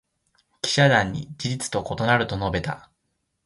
記者団に「事実と異なる」と述べた。